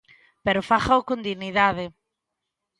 Pero fágao con dignidade.